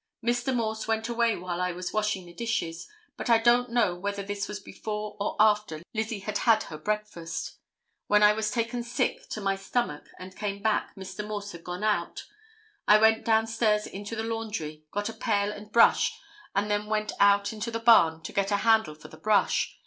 Mr. Morse went away while I was washing the dishes, but I don't know whether this was before or after Lizzie had had her breakfast. When I was taken sick to my stomach and came back Mr. Morse had gone out. I went down stairs into the laundry, got a pail and brush and then went out into the barn to get a handle for the brush.